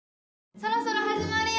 そろそろ始まるよ！